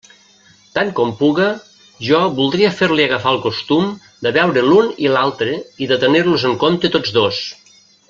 Tant com puga, jo voldria fer-li agafar el costum de veure l'un i l'altre i de tenir-los en compte tots dos.